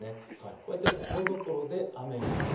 こういったところどころで雨が降る。